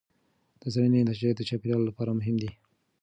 د څېړنې نتایج د چاپیریال لپاره مهم دي.